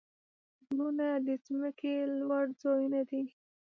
غرونه د ځمکې لوړ ځایونه دي.